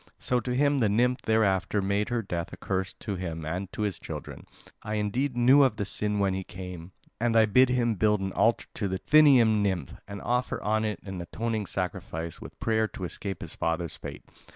So to him the nymph thereafter made her death a curse, to him and to his children. I indeed knew of the sin when he came; and I bid him build an altar to the Thynian nymph, and offer on it an atoning sacrifice, with prayer to escape his father's fate.